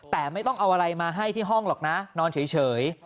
แต่ไม่ต้องเอาอะไรมาให้ที่ห้องหรอกนะนอนเฉย